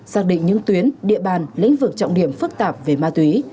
xác định những tuyến địa bàn lĩnh vực trọng điểm phức tạp về ma túy